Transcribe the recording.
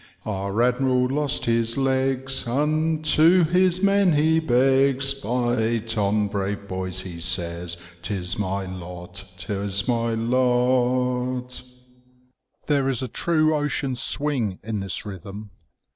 Our admiral lost his legs, Unto his men he begs :« Fight on, brave boys,' he says, • 'Tis my lot, 'tis my lot.' " There is a true ocean swing in this rhythm.